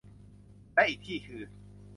และอีกที่คือ